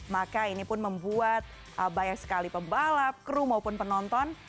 maka ini pun membuat banyak sekali pembalap kru maupun penonton